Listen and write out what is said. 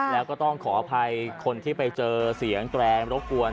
แล้วก็ต้องขออภัยคนที่ไปเจอเสียงแตรรบกวน